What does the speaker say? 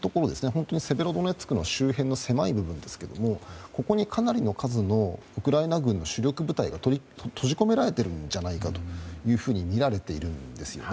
本当に、セベロドネツクの周辺の狭い部分ですけどもここに、かなりの数のウクライナ軍の主力部隊が閉じ込められているのではないかとみられているんです。